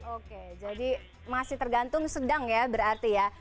oke jadi masih tergantung sedang ya berarti ya